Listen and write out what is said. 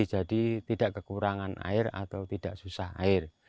jadi tidak kekurangan air atau tidak susah air